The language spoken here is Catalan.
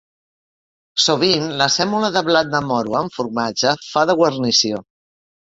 Sovint, la sèmola de blat de moro amb formatge fa de guarnició.